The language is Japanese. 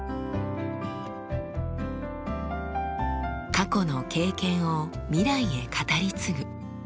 過去の経験を未来へ語り継ぐ。